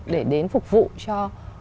để đến phục vụ cho